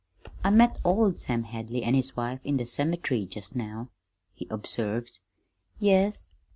"I met old Sam Hadley an' his wife in the cemetery just now," he observed. "Yes?"